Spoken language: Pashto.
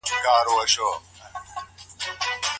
شق په لغت کي څه معنی لري؟